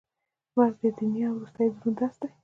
مرګ د دنیا وروستی دروند درس دی.